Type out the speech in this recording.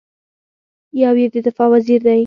یو یې د دفاع وزیر دی.